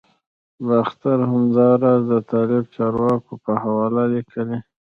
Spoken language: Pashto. باختر همداراز د طالب چارواکو په حواله لیکلي